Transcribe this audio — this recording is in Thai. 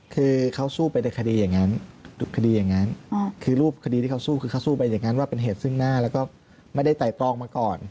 คือเขาสู้ไปในคดีอย่างนั้นคดีอย่างนั้นคือรูปคดีที่เขาสู้คือเขาสู้ไปอย่างนั้นว่าเป็นเหตุซึ่งหน้าแล้วก็ไม่ได้ไตรตรองมาก่อน